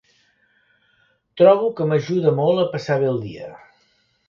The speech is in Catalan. Trobo que m'ajuda molt a passar bé el dia.